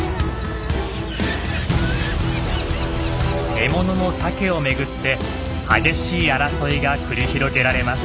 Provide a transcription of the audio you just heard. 獲物のサケを巡って激しい争いが繰り広げられます。